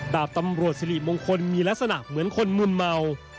ดาบตำรวจสิริมงคลมีลักษณะเหมือนคนมืนเมา